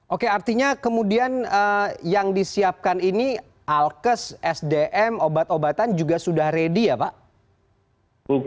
oke artinya kemudian yang disiapkan ini alkes sdm obat obatan juga sudah ready ya pak